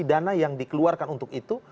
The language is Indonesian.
berapa alokasi dana yang dikeluarkan untuk itu